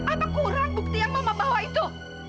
apa kurang bukti yang mama bawa itu